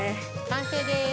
完成です。